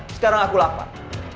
sekarang aku lapar